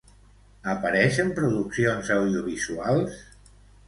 Apareix en produccions audiovisuals?